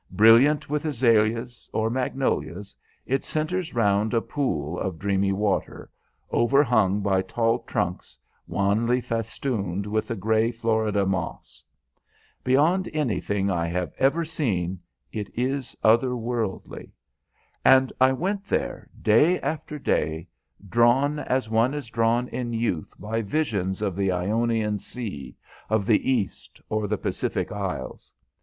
Brilliant with azaleas, or magnolias, it centres round a pool of dreamy water, overhung by tall trunks wanly festooned with the grey Florida moss. Beyond anything I have ever seen, it is otherworldly. And I went there day after day, drawn as one is drawn in youth by visions of the Ionian Sea, of the East, or the Pacific Isles.